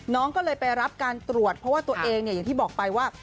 น้องก็เลยไปรับการตรวจเพราะว่าตัวเองเนี่ยอย่างที่บอกไปว่า